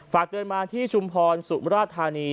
ฝากเตือนมาที่ชุมพรสุมราชธานี